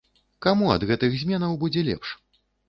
Каму ад гэтых зменаў будзе лепш?